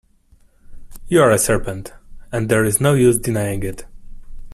You’re a serpent; and there’s no use denying it.